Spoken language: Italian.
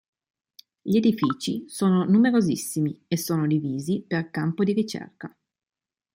Gli edifici sono numerosissimi, e sono divisi per campo di ricerca.